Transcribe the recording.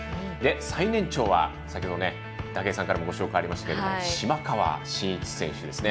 最年長は、先ほど武井さんからもご紹介ありましたけど島川慎一選手ですね。